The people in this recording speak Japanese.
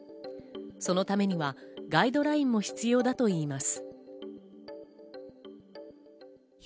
そのためにはガイドラインも必要だといいます。